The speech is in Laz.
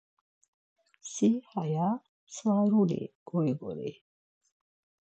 Si haya svaruli guigori.